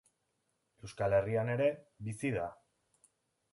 Euskal Herrian ere bizi da.